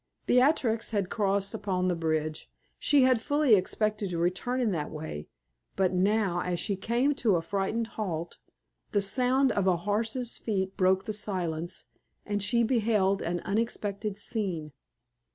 Beatrix had crossed upon the bridge; she had fully expected to return in that way; but now, as she came to a frightened halt, the sound of a horse's feet broke the silence, and she beheld an unexpected scene.